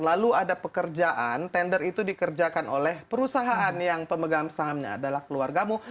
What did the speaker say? lalu ada pekerjaan tender itu dikerjakan oleh perusahaan yang pemegang sahamnya adalah keluargamu